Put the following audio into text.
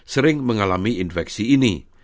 sering mengalami infeksi ini